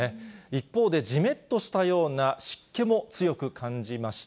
一方で、じめっとしたような湿気も強く感じました。